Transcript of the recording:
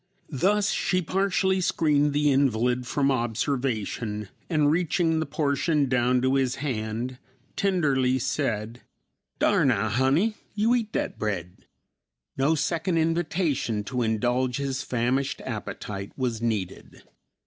Thus she partially screened the invalid from observation, and reaching the portion down to his hand, tenderly said, "Dar now, honey, yo eat dat bread." No second invitation to indulge his famished appetite was needed.